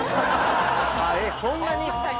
えっそんなに？